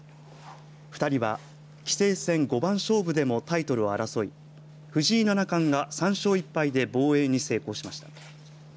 ２人は棋聖戦五番勝負でもタイトルを争い藤井七冠が３勝１敗で防衛に成功しました。